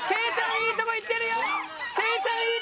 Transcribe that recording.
いいとこいってるよ！